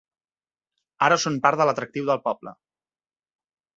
Ara són part de l'atractiu del poble.